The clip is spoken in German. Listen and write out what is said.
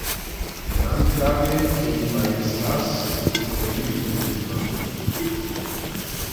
Die Anklage wegen "maiestas" ist weniger gut bekannt.